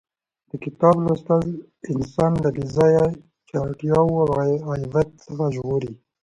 د کتاب لوستل انسان له بې ځایه چتیاو او غیبت څخه ژغوري.